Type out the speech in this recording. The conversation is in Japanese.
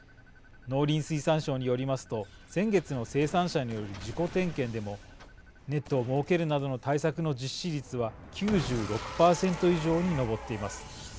農林水産省によりますと先月の生産者による自己点検でもネットを設けるなどの対策の実施率は９６％以上に上っています。